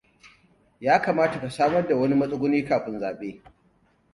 Ya kamata ka samar da wani matsuguni kafin zaɓe.